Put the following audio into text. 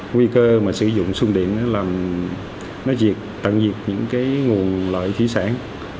nguy cơ sử dụng sung điện tặng diệt những nguồn lợi thủy sản